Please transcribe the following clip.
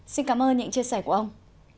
xin cảm ơn những chia sẻ của ông